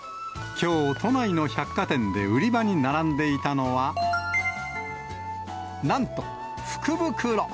きょう、都内の百貨店で売り場に並んでいたのは、なんと、福袋。